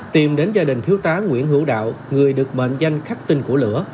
tìm đến gia đình thiếu tá nguyễn hữu đạo người được mệnh danh khắc tinh của lửa